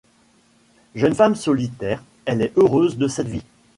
Jeune femme solitaire, elle est heureuse de cette vie.